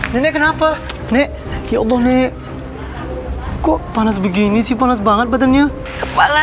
nenek kenapa nek ya allah nek kok panas begini sih panas banget badannya kepala